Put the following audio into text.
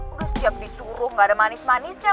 udah siap disuruh gak ada manis manisnya